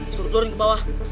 struktur ini ke bawah